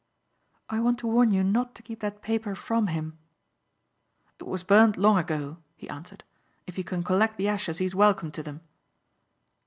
"I want to warn you not to keep that paper from him." "It was burned long ago," he answered. "If he can collect the ashes he is welcome to them."